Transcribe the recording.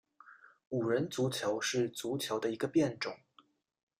五人足球是足球的一个变种。